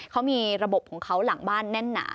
เขามีระบบของเขาหลังบ้านแน่นหนา